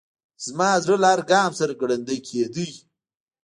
زما زړه له هر ګام سره ګړندی کېده.